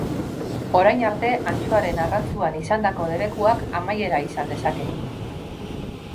Orain arte antxoaren arrantzuan izandako debekuak amaiera izan dezake.